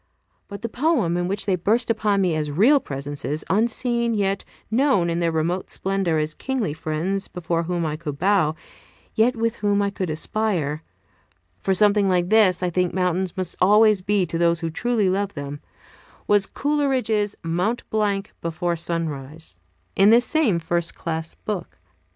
But the poem in which they burst upon me as real presences, unseen, yet known in their remote splendor as kingly friends before whom I could bow, yet with whom I could aspire, for something like this I think mountains must always be to those who truly love them, was Coleridge's "Mont Blanc before Sunrise," in this same "First Class Book."